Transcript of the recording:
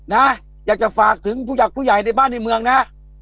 นะอยากจะฝากถึงผู้ใหญ่ผู้ใหญ่ในบ้านในเมืองนะ